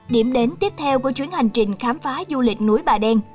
điểm đến tiếp theo của chuyến hành trình khám phá du lịch núi bà đen